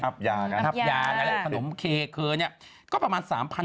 อัพยาการอัพยาการอัพยาการอัพยาการอัพยาการอัพยา